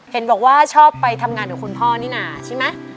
เห็นบอกว่าชอบไปทำงานกับคุณพ่อนี่น่ะใช่ไหม